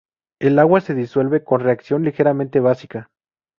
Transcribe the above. En agua se disuelve con reacción ligeramente básica.